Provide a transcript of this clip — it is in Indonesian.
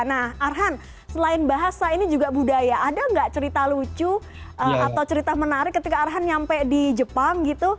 nah arhan selain bahasa ini juga budaya ada nggak cerita lucu atau cerita menarik ketika arhan nyampe di jepang gitu